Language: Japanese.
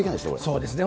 そうですね。